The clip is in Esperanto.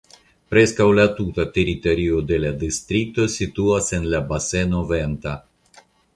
Preskaŭ la tuta teritorio de la distrikto situas en la baseno Venta.